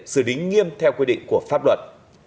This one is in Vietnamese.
xử lý nghiêm theo quy định của pháp luật